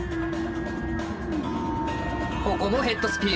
ここのヘッドスピン。